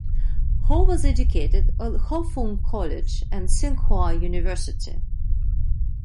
Ho was educated at Ho Fung College and Tsinghua University.